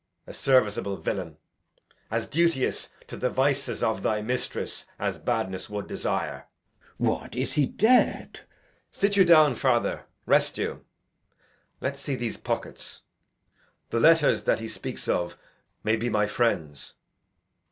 A serviceable villain, As duteous to the vices of thy mistress As badness would desire. Glou. What, is he dead? Edg. Sit you down, father; rest you. Let's see his pockets; these letters that he speaks of May be my friends.